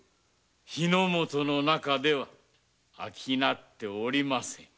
日本の中では商ってはおりません。